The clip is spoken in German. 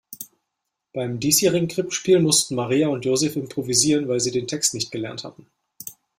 Beim diesjährigen Krippenspiel mussten Maria und Joseph improvisieren, weil sie den Text nicht gelernt hatten.